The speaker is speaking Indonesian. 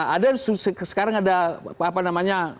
ada sekarang ada apa namanya